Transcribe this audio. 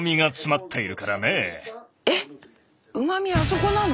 えっうまみあそこなの？